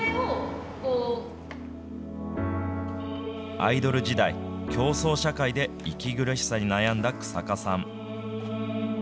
アイドル時代、競争社会で息苦しさに悩んだ日下さん。